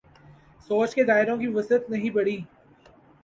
سوچ کے دائروں کی وسعت نہیں بڑھی۔